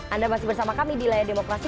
anda masih bersama kami di layar demokrasi